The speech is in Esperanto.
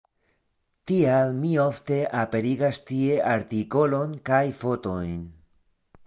Tial mi ofte aperigas tie artikolon kaj fotojn.